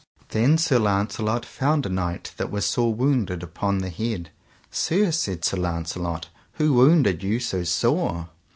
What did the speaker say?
Then Sir Launcelot found a knight that was sore wounded upon the head. Sir, said Sir Launcelot, who wounded you so sore?